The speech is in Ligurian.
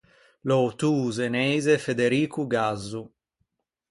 L’autô zeneise Federico Gazzo.